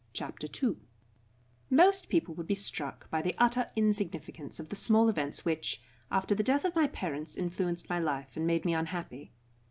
CHAPTER II Most people would be struck by the utter insignificance of the small events which, after the death of my parents influenced my life and made me unhappy.